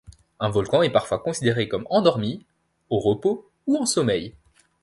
Un volcan est parfois considéré comme endormi, au repos ou en sommeil.